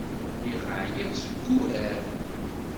Lliɣ ɛyiɣ s wuṛaṛ.